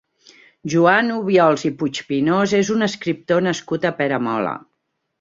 Joan Obiols i Puigpinós és un escriptor nascut a Peramola.